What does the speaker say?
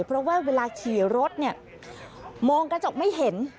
เพราะว่าเวลาขี่รถเนี่ยมองกระจกไม่เห็น